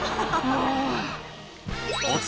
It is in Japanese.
もう。